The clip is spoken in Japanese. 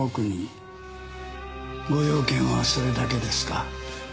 ご用件はそれだけですか？